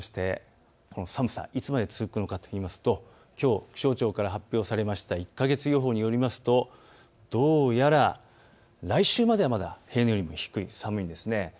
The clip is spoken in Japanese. この寒さ、いつまで続くのかといいますときょう気象庁から発表されました１か月予報によりますとどうやら来週までは平年より低い、寒いですね。